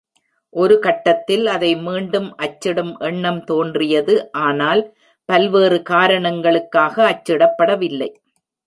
ஒரு கட்டத்தில் அதை மீண்டும் அச்சிடும் எண்ணம் தோன்றியது, ஆனால் பல்வேறு காரணங்களுக்காக அச்சிடப்படவில்லை.